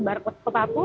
barcode ke papu